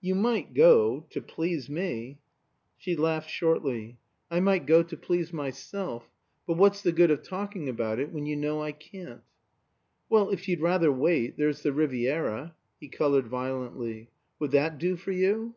"You might go to please me." He laughed shortly. "I might go to please myself. But what's the good of talking about it when you know I can't." "Well, if you'd rather wait, there's the Riviera" he colored violently "would that do for you?"